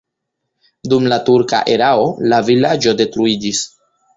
Dum la turka erao la vilaĝo detruiĝis.